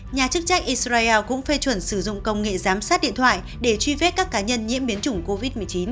nhà chức trách israel cũng phê chuẩn sử dụng công nghệ giám sát điện thoại để truy vết các cá nhân nhiễm biến chủng covid một mươi chín